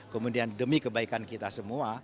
kemudian demi kebaikan kita semua